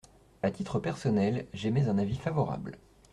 À titre personnel, j’émets un avis favorable.